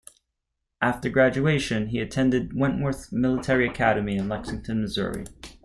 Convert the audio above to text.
After graduation, he attended Wentworth Military Academy in Lexington, Missouri.